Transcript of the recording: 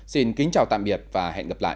xin kính chào tạm biệt và hẹn gặp lại